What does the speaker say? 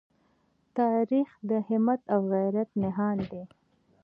تاریخ د همت او غیرت نښان دی.